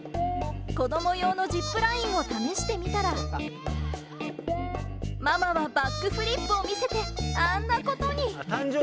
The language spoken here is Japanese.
子ども用のジップラインを試してみたら、ママはバックフリップを見せて、あんなことに。